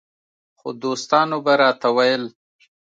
خو دوستانو به راته ویل